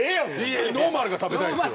ノーマルが食べたいです。